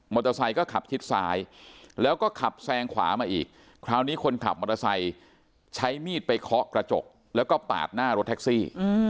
เตอร์ไซค์ก็ขับชิดซ้ายแล้วก็ขับแซงขวามาอีกคราวนี้คนขับมอเตอร์ไซค์ใช้มีดไปเคาะกระจกแล้วก็ปาดหน้ารถแท็กซี่